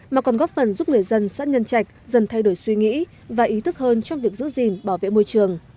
mà còn góp phần giúp người dân xã nhân trạch dần thay đổi suy nghĩ và ý thức hơn trong việc giữ gìn bảo vệ môi trường